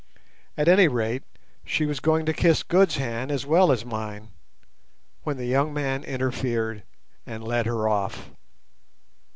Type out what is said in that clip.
At any rate, she was going to kiss Good's hand as well as mine, when the young man interfered and led her off.